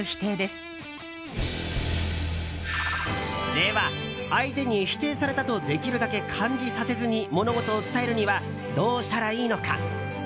では、相手に否定されたとできるだけ感じさせずに物事を伝えるにはどうしたらいいのか？